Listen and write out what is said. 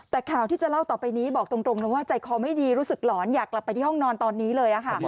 แต่ข่าวที่จะเล่าต่อไปนี้บอกตรงเลยว่าใจคอไม่ดีรู้สึกหลอนอยากกลับไปที่ห้องนอนตอนนี้เลยค่ะ